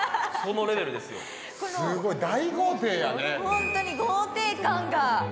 本当に豪邸感が。